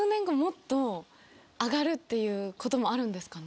ていうこともあるんですかね？